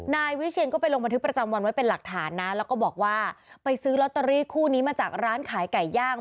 นายวิเชียนก็ไปลงบันทึกประจำวันไว้เป็นหลักฐานนะแล้วก็บอกว่าไปซื้อลอตเตอรี่คู่นี้มาจากร้านขายไก่ย่าง